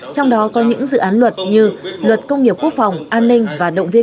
trong đó có những dự án luật như luật công nghiệp quốc phòng an ninh và động viên